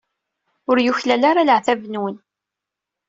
Ur yuklal ara leɛtab-nwen.